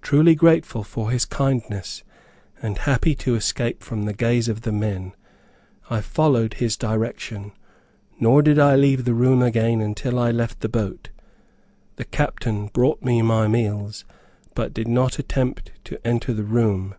Truly grateful for his kindness, and happy to escape from the gaze of the men, I followed his direction; nor did I leave the room again until I left the boat. The captain brought me my meals, but did not attempt to enter the room.